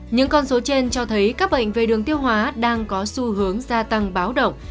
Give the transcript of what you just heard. những con số trên cho thấy các bệnh về đường tiêu hóa đang có xu hướng gia tăng báo động